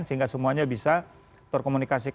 sehingga semuanya bisa terkomunikasi